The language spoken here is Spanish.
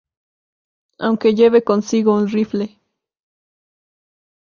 Aunque lleve consigo un rifle.